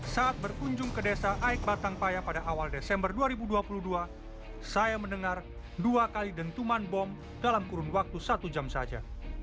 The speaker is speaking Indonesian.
saat berkunjung ke desa aik batang paya pada awal desember dua ribu dua puluh dua saya mendengar dua kali dentuman bom dalam kurun waktu satu jam saja